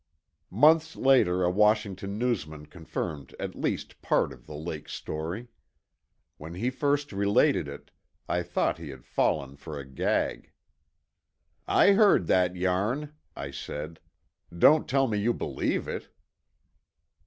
Months later, a Washington newsman confirmed at least part of the lake story. When he first related it, I thought he had fallen for a gag. "I heard that yarn," I said. "Don't tell me you believe it?"